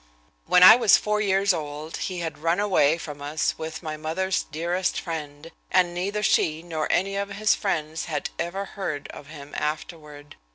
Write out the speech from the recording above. When I was four years old he had run away from us both with my mother's dearest friend, and neither she, nor any of his friends, had ever heard of him afterward.